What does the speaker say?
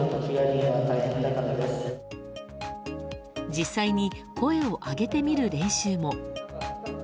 実際に声を上げてみる練習も。